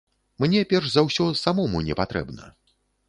Мне, перш за ўсё, самому не патрэбна.